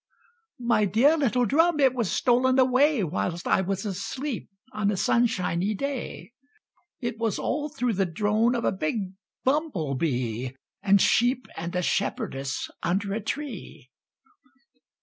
"My dear little drum it was stolen away Whilst I was asleep on a sunshiny day; It was all through the drone of a big bumblebee, And sheep and a shepherdess under a tree."